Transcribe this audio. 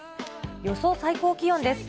予想最高気温です。